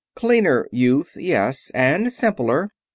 "Cleaner, youth, yes; and simpler.